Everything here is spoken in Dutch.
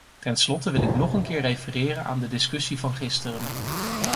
Ten slotte wil ik nog een keer refereren aan de discussie van gisteren.